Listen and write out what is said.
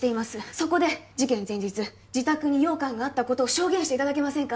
そこで事件前日自宅に羊羹があったことを証言していただけませんか？